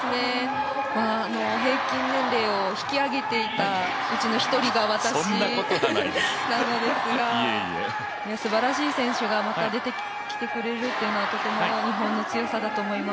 平均年齢を引き上げていたうちの１人が私なのですが、すばらしい選手がまた出てきてくれるというのはとても日本の強さだと思います。